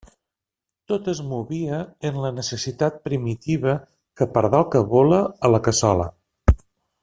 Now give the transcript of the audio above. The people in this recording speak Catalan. Tot es movia en la necessitat primitiva que pardal que vola, a la cassola.